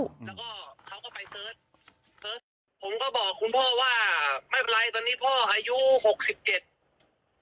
ผมก็บอกคุณพ่อว่าไม่เป็นไรตอนนี้พ่ออายุ๖๗